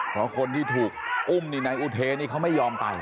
เพราะคนที่ถูกอุ้มในอุเทไม่ยอมไป